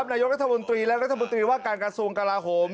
อยากประยุทธ์หน่อยนะครับนายกรัฐบุญตรีและกรัฐบุญตรีว่าการกระทรวงกราโหม